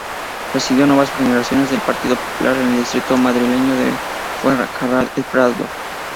Presidió Nuevas Generaciones del Partido Popular en el distrito madrileño de Fuencarral-El Pardo.